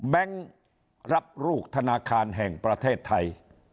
รับลูกธนาคารแห่งประเทศไทย